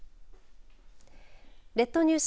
列島ニュース